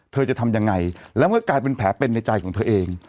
เธอจะทำยังไงแล้วมันก็กลายเป็นแผลเป็นในใจของเธอเอง